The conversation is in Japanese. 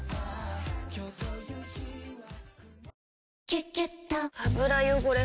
「キュキュット」油汚れ